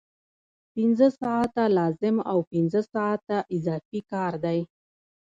پنځه ساعته لازم او پنځه ساعته اضافي کار دی